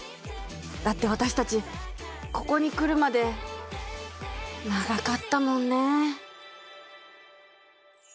だって私たちここにくるまで長かったもんね。